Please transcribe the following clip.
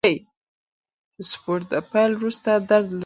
د سپورت د پیل وروسته درد لږ شي.